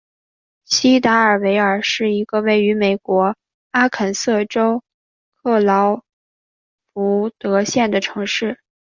锡达尔维尔是一个位于美国阿肯色州克劳福德县的城市。